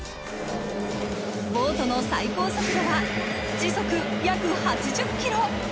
ボートの最高速度は時速約８０キロ。